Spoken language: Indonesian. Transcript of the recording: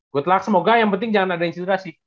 good luck semoga yang penting jangan ada inspirasi